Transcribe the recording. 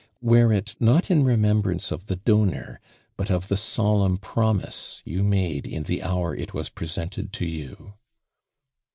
"Wear it, not in remembrance of the donor, but of the solemn promise you made in the hour it was presented to you."